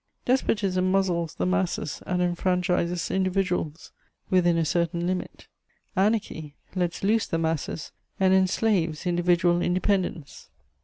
Despotism muzzles the masses and enfranchises individuals, within a certain limit; anarchy lets loose the masses and enslaves individual independence.